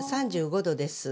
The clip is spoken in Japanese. ３５度です。